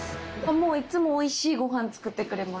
いつもおいしいごはん作ってくれます。